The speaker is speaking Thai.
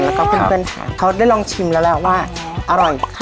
แล้วก็เพื่อนเพื่อนทานเขาได้ลองชิมแล้วแล้วว่าอร่อยค่ะ